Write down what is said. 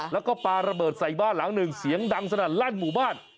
แล้วก็ปลาระเบิดใส่บ้านหลังหนึ่งเสียงดังสนั่นลั่นหมู่บ้าน